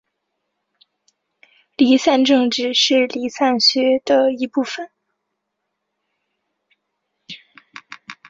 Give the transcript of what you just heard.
离散政治是离散学的一部份。